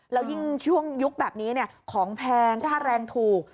แล้วยิ่งช่วงยุคแบบนี้ของแพงค่าแรงถูก